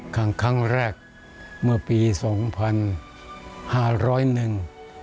ครั้งแรกเมื่อปี๒๕๐๐นึง